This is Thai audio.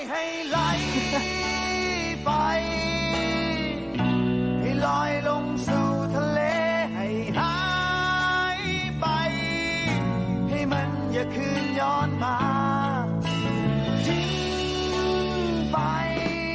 ให้ไหลเทไปให้ลอยลงสู่ทะเลให้หายไปให้มันอย่าคืนย้อนมาทิ้งไป